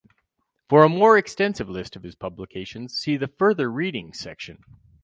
For a more extensive list of his publications, see the "Further Reading" section.